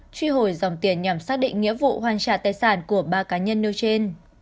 truy hồi dòng tiền nhằm xác định nghĩa vụ hoàn trả tài sản của ba cá nhân nêu trên